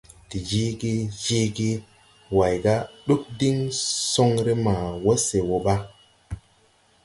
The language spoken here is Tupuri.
De jeege, jeege Way: Ɗug diŋ soŋre ma wo se wo ɓa?